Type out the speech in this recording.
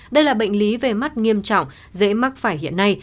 đây là bệnh lý về mắt nghiêm trọng dễ mắc phải hiện nay